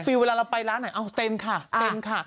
เวลาเราไปร้านไหนเอาเต็มค่ะเต็มค่ะ